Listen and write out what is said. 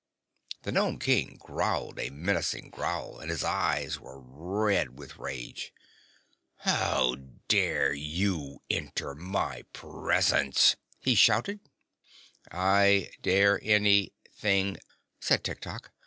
The Nome King growled a menacing growl and his eyes were red with rage. "How dare you enter my presence?" he shouted. "I dare an y thing," said Tiktok.